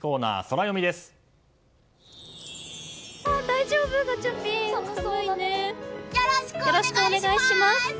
よろしくお願いします！